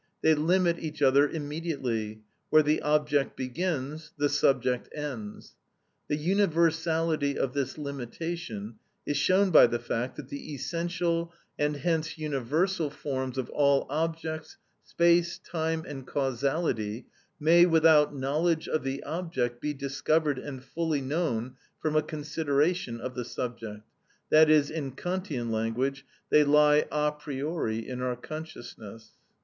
They limit each other immediately; where the object begins the subject ends. The universality of this limitation is shown by the fact that the essential and hence universal forms of all objects, space, time, and causality, may, without knowledge of the object, be discovered and fully known from a consideration of the subject, i.e., in Kantian language, they lie a priori in our consciousness.